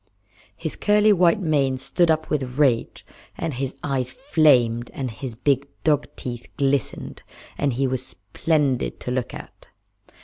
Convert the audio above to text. His curly white mane stood up with rage, and his eyes flamed, and his big dog teeth glistened, and he was splendid to look at.